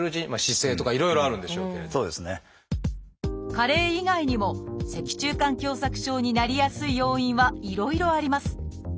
加齢以外にも脊柱管狭窄症になりやすい要因はいろいろあります。